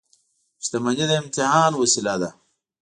• شتمني د امتحان وسیله ده.